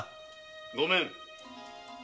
・ごめん！